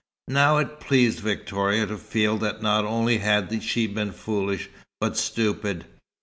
Now, it pleased Victoria to feel that, not only had she been foolish, but stupid.